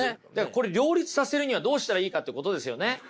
これ両立させるにはどうしたらいいかってことですよね。